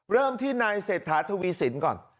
เริ่มที่นายเศรษฐาทวีสินก่อน